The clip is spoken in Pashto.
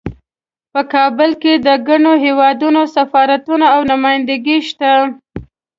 په کابل کې د ګڼو هیوادونو سفارتونه او نمایندګۍ شته